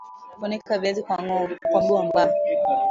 funika viazi kwa mgomba